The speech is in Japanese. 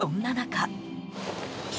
そんな中。